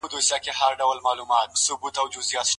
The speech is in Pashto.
ولي لېواله انسان د هوښیار انسان په پرتله ژر بریالی کېږي؟